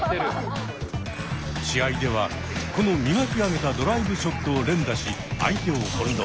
試合ではこの磨き上げたドライブショットを連打し相手を翻弄。